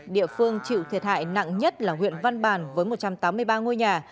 địa phương chịu thiệt hại nặng nhất là huyện văn bàn với một trăm tám mươi ba ngôi nhà